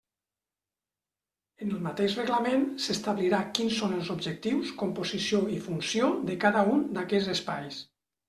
En el mateix Reglament s'establirà quins són els objectius, composició i funcions de cada un d'aquests espais.